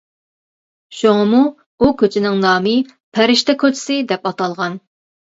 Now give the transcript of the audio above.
شۇڭىمۇ ئۇ كوچىنىڭ نامى «پەرىشتە كوچىسى» دەپ ئاتالغان.